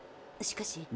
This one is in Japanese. しかし。